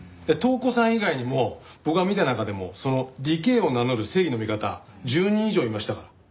塔子さん以外にも僕が見た中でもそのディケーを名乗る正義の味方１０人以上いましたから。